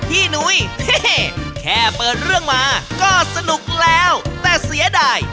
พี่หนุ๊ยชื่อตีนี่สิ